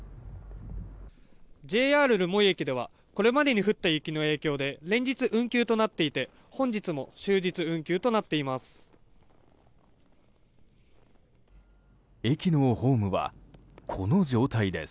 ＪＲ留萌駅ではこれまでに降った雪の影響で連日、運休となっていて本日も終日運休となっています。